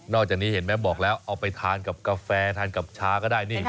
จากนี้เห็นไหมบอกแล้วเอาไปทานกับกาแฟทานกับชาก็ได้นี่